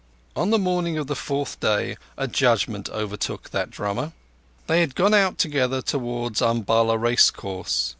On the morning of the fourth day a judgement overtook that drummer. They had gone out together towards Umballa racecourse.